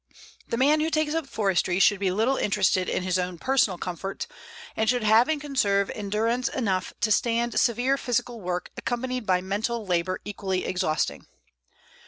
The man who takes up forestry should be little interested in his own personal comfort, and should have and conserve endurance enough to stand severe physical work accompanied by mental labor equally exhausting.